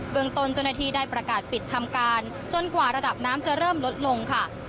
ตนเจ้าหน้าที่ได้ประกาศปิดทำการจนกว่าระดับน้ำจะเริ่มลดลงค่ะ